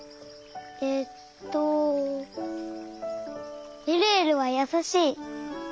えっとえるえるはやさしい。